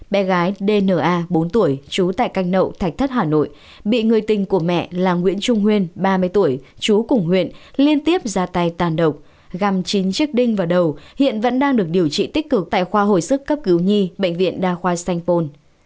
bé gái dna bốn tuổi trú tại canh nậu thạch thất hà nội bị người tình của mẹ là nguyễn trung nguyên ba mươi tuổi chú cùng huyện liên tiếp ra tay tàn độc gằm chín chiếc đinh và đầu hiện vẫn đang được điều trị tích cực tại khoa hồi sức cấp cứu nhi bệnh viện đa khoa sanh pôn